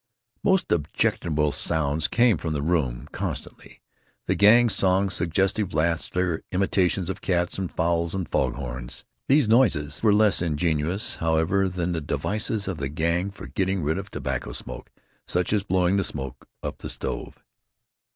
Most objectionable sounds came from the room constantly: the Gang's songs, suggestive laughter, imitations of cats and fowls and fog horns. These noises were less ingenious, however, than the devices of the Gang for getting rid of tobacco smoke, such as blowing the smoke up the stove.